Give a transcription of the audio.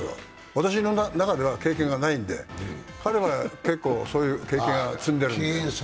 私の中では経験がないので彼は結構そういう経験を積んでるんで。